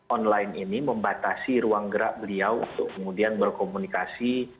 online ini membatasi ruang gerak beliau untuk kemudian berkomunikasi